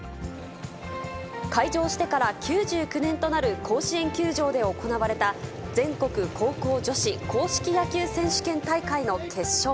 開場してから９９年となる甲子園球場で行われた、全国高校女子硬式野球選手権大会の決勝。